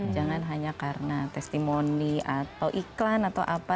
jangan hanya karena testimoni atau iklan atau apa